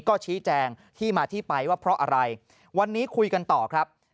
ก็ชี้แจงที่มาที่ไปว่าเพราะอะไรวันนี้คุยกันต่อครับ